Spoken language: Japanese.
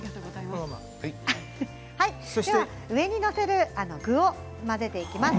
それでも上に載せる具を混ぜていきます。